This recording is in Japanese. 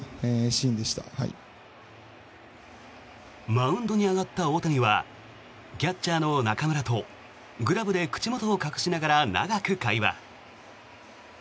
マウンドに上がった大谷はキャッチャーの中村とグラブで口元を隠しながら長く会話。